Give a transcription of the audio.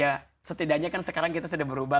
ya setidaknya kan sekarang kita punya teman kita punya teman